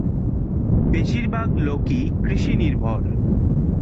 বেশিরভাগ লোকই কৃষি নির্ভর।